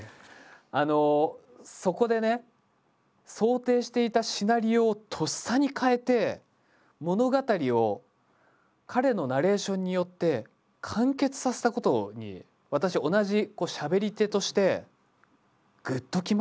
あのそこでね想定していたシナリオをとっさに変えて物語を彼のナレーションによって完結させたことに私同じしゃべり手としてグッときましたよ。